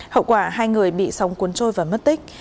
hậu quả hai người bị sóng cuốn trôi và mất tích